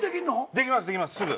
できますできますすぐ。